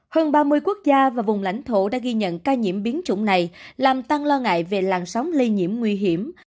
hơn ba mươi quốc gia và vùng lãnh thổ đã ghi nhận ca nhiễm biến chủng này làm tăng lo ngại về làn sóng lây nhiễm nguy hiểm